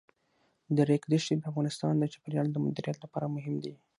د ریګ دښتې د افغانستان د چاپیریال د مدیریت لپاره مهم دي.